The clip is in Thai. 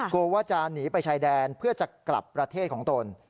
กลัวว่าจะหนีไปชายแดนเพื่อจะกลับประเทศของตน